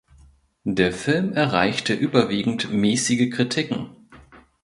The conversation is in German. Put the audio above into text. Der Film erreichte überwiegend mäßige Kritiken.